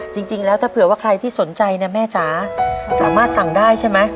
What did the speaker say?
จริงแล้วถ้าเผื่อว่าใครที่สนใจนะแม่จ๋าสามารถสั่งได้ใช่ไหม